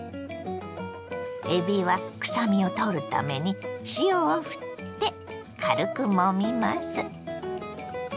えびは臭みを取るために塩をふって軽くもみます。